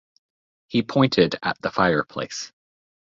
He pointed at the fireplace.